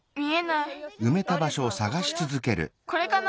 これかな。